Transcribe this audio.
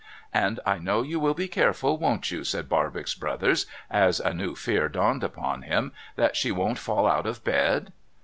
' And I know you will be careful, won't you,' said Barbox Brothers, as a new fear dawned upon him, ' that she don't fall out of bed